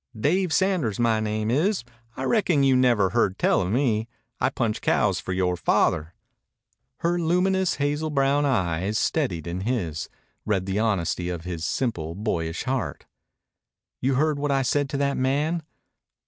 "Dave Sanders my name is. I reckon you never heard tell of me. I punch cows for yore father." Her luminous, hazel brown eyes steadied in his, read the honesty of his simple, boyish heart. "You heard what I said to that man?"